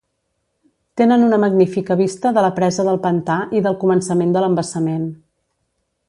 Tenen una magnífica vista de la presa del pantà i del començament de l'embassament.